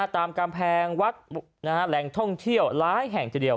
ตามกำแพงวัดแหล่งท่องเที่ยวหลายแห่งทีเดียว